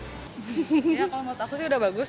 ya kalau menurut aku sih udah bagus